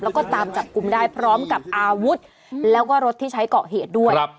แล้วก็ตามจับกลุ่มได้พร้อมกับอาวุธแล้วก็รถที่ใช้เกาะเหตุด้วย